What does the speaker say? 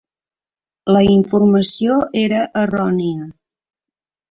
La informació era errònia.